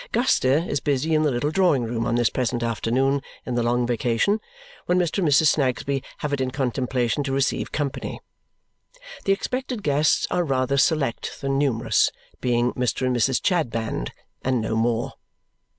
Guster is busy in the little drawing room on this present afternoon in the long vacation, when Mr. and Mrs. Snagsby have it in contemplation to receive company. The expected guests are rather select than numerous, being Mr. and Mrs. Chadband and no more.